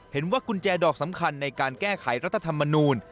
กุญแจดอกสำคัญในการแก้ไขรัฐธรรมนูล